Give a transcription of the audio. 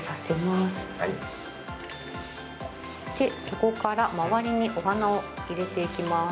そこから周りにお花を入れていきます。